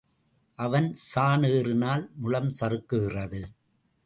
அவன் சாண் ஏறினால் முழம் சறுக்குகிறது.